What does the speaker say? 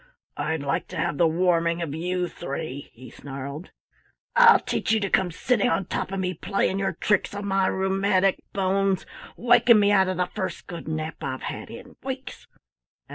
"I'd like to have the warming of you three," he snarled. "I'll teach you to come sitting on top of me playing your tricks on my rheumatic bones waking me out of the first good nap I've had in weeks!